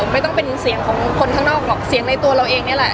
ไม่ต้องเป็นเสียงของคนข้างนอกหรอกเสียงในตัวเราเองนี่แหละ